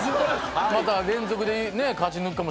また連続で勝ち抜くかも。